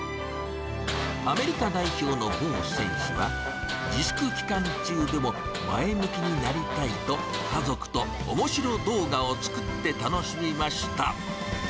アメリカ代表のボウ選手は、自粛期間中でも前向きになりたいと、家族とおもしろ動画を作って楽しみました。